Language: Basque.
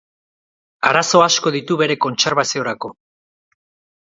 Arazo asko ditu bere kontserbaziorako.